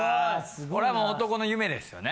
これもう男の夢ですよね。